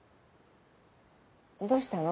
どうしたの？